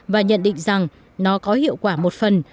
và nhận định rằng nó có hiệu quả một phần